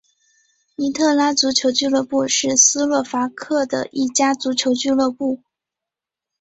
尼特拉足球俱乐部是斯洛伐克的一家足球俱乐部。